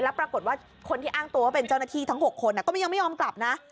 แล้วปรากฏว่าคนที่อ้างตัวว่าเป็นเจ้าหน้าที่ทั้ง๖คนก็ยังไม่ยอมกลับนะ